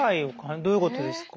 どういうことですか？